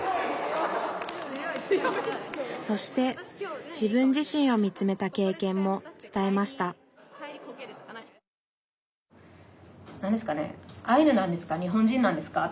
そして自分自身を見つめた経験も伝えました何ですかね